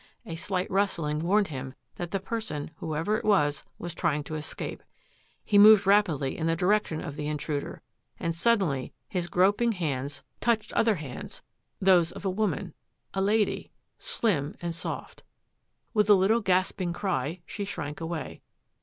A slight rustling warned him that the per son, whoever it was, was trying to escape. He moved rapidly in the direction of the intruder, and suddenly his groping hands touched other MORE MYSTERY 73 hands, those of a woman — a lady — slim and soft. With a little gasping cry she shrank away.